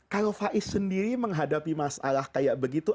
kalau faiz sendiri menghadapi masalah seperti itu